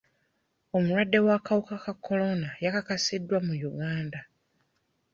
Omulwadde w'akawuka ka kolona yakakasiddwa mu Uganda.